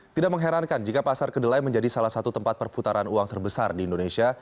tidak mengherankan jika pasar kedelai menjadi salah satu tempat perputaran uang terbesar di indonesia